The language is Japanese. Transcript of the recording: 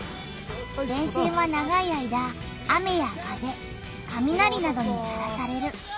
電線は長い間雨や風かみなりなどにさらされる。